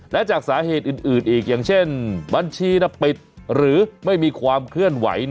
และจากสาเหตุอื่นอีกอย่างเช่นบัญชีปิดหรือไม่มีความเคลื่อนไหว